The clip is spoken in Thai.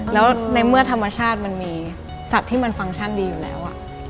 แล้วในเมื่อธรรมชาติมันมีสัตว์ที่มันฟังก์ชันดีอยู่แล้ว